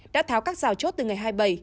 đã tháo các rào chốt từ ngày hai mươi bảy